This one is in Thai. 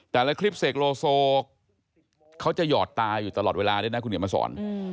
คลิปเสกโลโซเขาจะหยอดตาอยู่ตลอดเวลาด้วยนะคุณเหนียวมาสอน